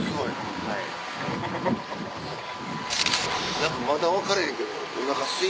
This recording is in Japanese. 何かまだ分かれへんけど。